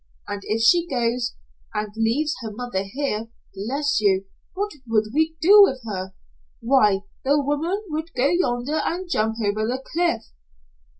And if she goes, and leaves her mother here bless you what would we do with her? Why, the woman would go yonder and jump over the cliff."